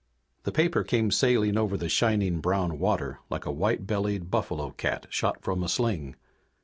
The paper came sailing over the shining brown water like a white bellied buffalo cat shot from a sling.